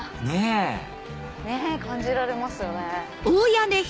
ねぇ感じられますよね。